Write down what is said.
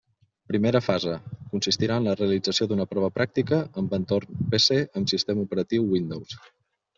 Primera fase: consistirà en la realització d'una prova pràctica amb entorn PC amb sistema operatiu Windows.